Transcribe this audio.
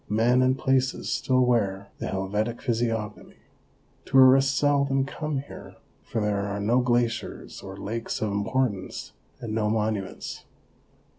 Men and places still wear the Helvetic physiognomy. Tourists seldom come here, for there are no glaciers or lakes of importance, and no monuments.